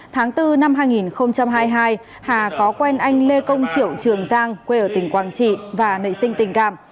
tháng bốn năm hai nghìn hai mươi hai hà có quen anh lê công triệu trường giang quê ở tỉnh quảng trị và nợ sinh tình cảm